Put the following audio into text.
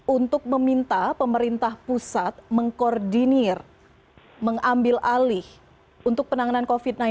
untuk meminta pemerintah pusat mengkoordinir mengambil alih untuk penanganan covid sembilan belas